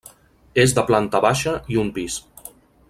És de planta baixa i un pis.